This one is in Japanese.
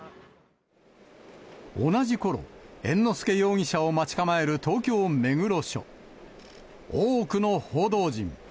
同じころ、猿之助容疑者を待ち構える東京・目黒署。